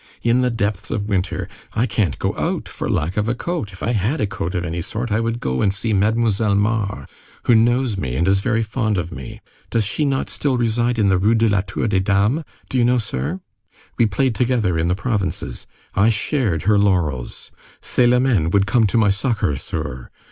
In the depths of winter! I can't go out for lack of a coat. If I had a coat of any sort, I would go and see Mademoiselle Mars, who knows me and is very fond of me. Does she not still reside in the Rue de la Tour des Dames? Do you know, sir? We played together in the provinces. I shared her laurels. Célimène would come to my succor, sir!